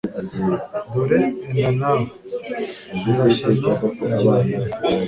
dore enda nawe nyirashyano igira hino